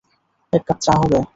এক কাপ চা হবে?